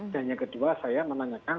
dan yang kedua saya menanyakan